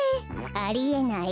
ありえない。